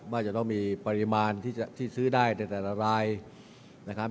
ว่าจะต้องมีปริมาณที่ซื้อได้ในแต่ละรายนะครับ